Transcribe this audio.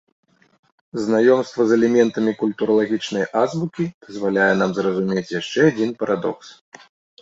Знаёмства з элементамі культуралагічнай азбукі дазваляе нам зразумець яшчэ адзін парадокс.